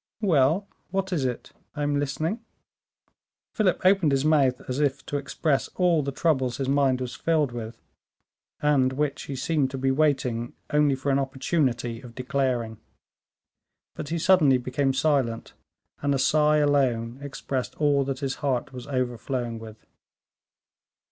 "Well, what is it? I am listening." Philip opened his mouth as if to express all the troubles his mind was filled with, and which he seemed to be waiting only for an opportunity of declaring. But he suddenly became silent, and a sigh alone expressed all that his heart was overflowing with.